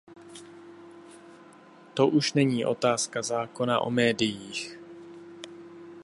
To už není otázka zákona o médiích!